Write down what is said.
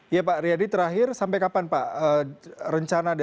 ya pak riyadi terakhir sampai kapan pak